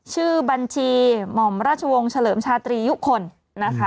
ชื่อบัญชีหม่อมราชวงศ์เฉลิมชาตรียุคลนะคะ